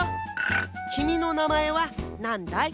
きみのなまえはなんだい？